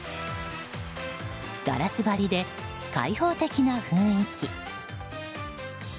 ガラス張りで開放的な雰囲気。